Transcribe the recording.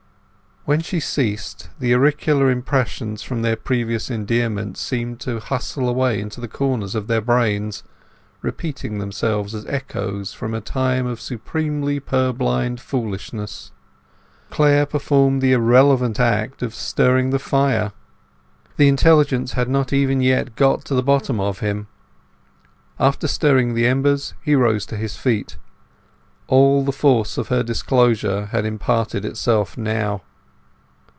When she ceased, the auricular impressions from their previous endearments seemed to hustle away into the corner of their brains, repeating themselves as echoes from a time of supremely purblind foolishness. Clare performed the irrelevant act of stirring the fire; the intelligence had not even yet got to the bottom of him. After stirring the embers he rose to his feet; all the force of her disclosure had imparted itself now.